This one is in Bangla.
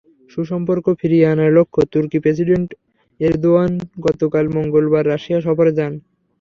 সুসম্পর্ক ফিরিয়ে আনার লক্ষ্যে তুর্কি প্রেসিডেন্ট এরদোয়ান গতকাল মঙ্গলবার রাশিয়া সফরে যান।